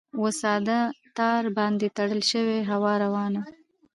وساده ! تار باندې تړلی شي هوا روانه ؟